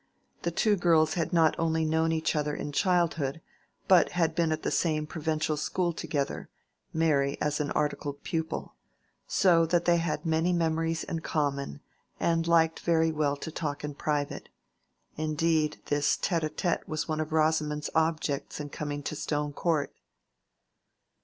The two girls had not only known each other in childhood, but had been at the same provincial school together (Mary as an articled pupil), so that they had many memories in common, and liked very well to talk in private. Indeed, this tête à tête was one of Rosamond's objects in coming to Stone Court.